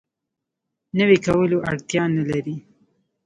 نوی کولو اړتیا نه لري.